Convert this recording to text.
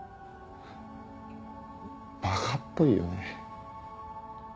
バカっぽいよね。